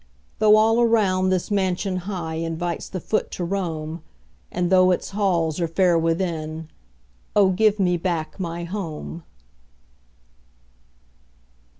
Though all around this mansion high Invites the foot to roam, And though its halls are fair within Oh, give me back my HOME!